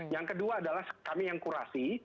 yang kedua adalah kami yang kurasi